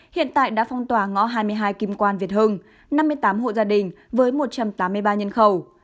hiện tại đã phong tỏa ngõ hai mươi hai kim quan việt hưng năm mươi tám hộ gia đình với một trăm tám mươi ba nhân khẩu